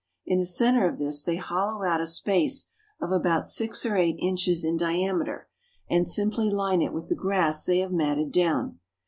In the center of this they hollow out a space of about six or eight inches in diameter, and simply line it with the grass they have matted down.